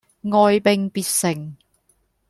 哀兵必勝